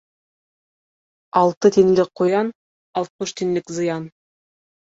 Алты тинлек ҡуян, алтмыш тинлек зыян.